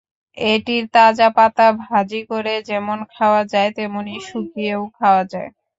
এটির তাজা পাতা ভাজি করে যেমন খাওয়া যায়, তেমনি শুকিয়েও খাওয়া যায়।